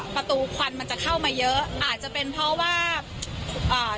ควันมันจะเข้ามาเยอะอาจจะเป็นเพราะว่าอ่า